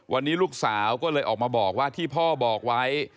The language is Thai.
วันนี้ลูกสาวก็เลยออกมาบอกว่าที่พ่อบอกไว้